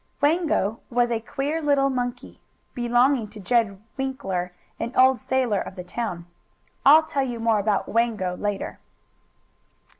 Wango was a queer little monkey, belonging to Jed Winkler, an old sailor of the town. I'll tell you more about Wango later.